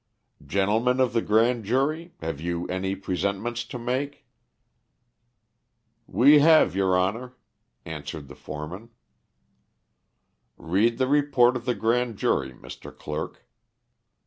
"Gentlemen of the grand jury, have you any presentments to make?" "We have, your honor," answered the foreman. "Read the report of the grand jury, Mr. Clerk."